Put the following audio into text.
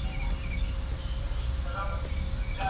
زه به سبا د سبا لپاره د کور د کارونو پلان جوړوم وم.